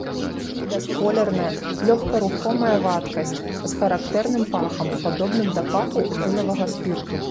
Бясколерная лёгкарухомая вадкасць з характэрным пахам, падобным да паху этылавага спірту.